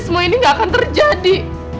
semua ini gak akan terjadi